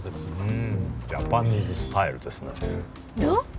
うーんジャパニーズスタイルですねどう？